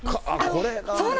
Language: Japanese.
これがか。